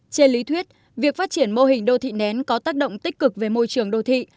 trên lý thuyết việc phát triển mô hình đô thị nén có tác động tích cực về môi trường đô thị